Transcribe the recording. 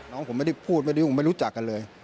น้องผมไม่ได้พูดไม่ได้ผมไม่รู้จักกันเลย